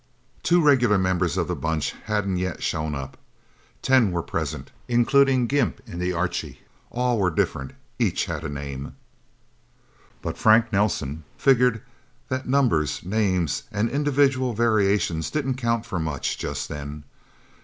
Two regular members of the Bunch hadn't yet shown up. Ten were present, including Gimp in the Archie. All were different. Each had a name. But Frank Nelsen figured that numbers, names, and individual variations didn't count for much, just then.